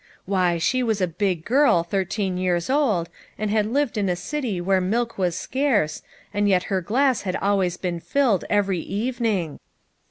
Why, she was a big girl thirteen years old, and had lived in a city where milk was scarce, and yet her glass had been filled every evening.